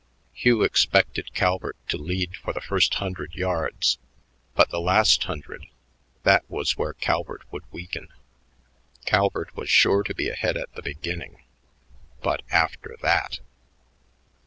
Hugh expected Calvert to lead for the first hundred yards; but the last hundred, that was where Calvert would weaken. Calvert was sure to be ahead at the beginning but after that!